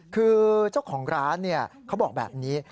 คือเจ้าของร้านเขาบอกแบบนี้